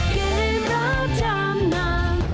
เกมรับจำนำ